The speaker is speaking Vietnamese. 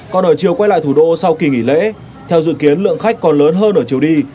còn ở chiều quay lại thủ đô sau kỳ nghỉ lễ theo dự kiến lượng khách còn lớn hơn ở chiều đi